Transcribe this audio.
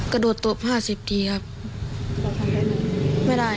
ครับบ่ายนะแดดบ่าย